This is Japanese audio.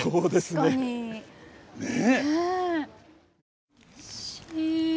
ねえ。